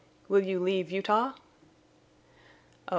"Will you leave Utah?" "Oh!